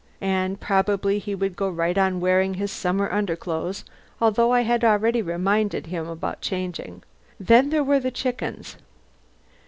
And probably he would go right on wearing his summer underclothes, although I had already reminded him about changing. Then there were the chickens...